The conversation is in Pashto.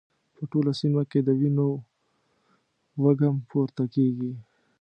په ټوله سيمه کې د وینو وږم پورته کېږي.